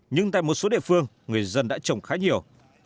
nhưng tại một số địa phương người dân đã trồng khá nhiều